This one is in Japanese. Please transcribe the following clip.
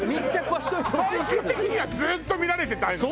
最終的にはずっと見られてたいのね？